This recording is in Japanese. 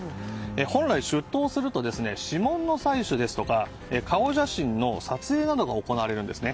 本来、出頭すると指紋の採取ですとか顔写真の撮影などが行われるんですね。